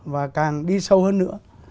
và càng đi sâu hơn nữa